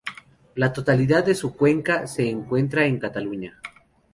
La totalidad de su cuenca se encuentra en Cataluña.